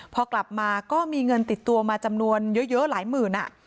พอกลับมาก็มีเงินติดตัวมาจำนวนเยอะหลายหมื่น